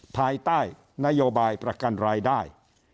ภายใต้นโยบายประกันรายได้